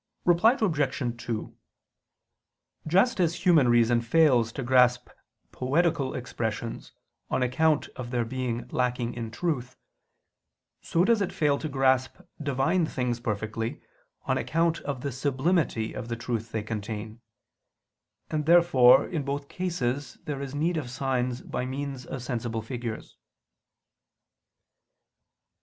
Reply Obj. 2: Just as human reason fails to grasp poetical expressions on account of their being lacking in truth, so does it fail to grasp Divine things perfectly, on account of the sublimity of the truth they contain: and therefore in both cases there is need of signs by means of sensible figures.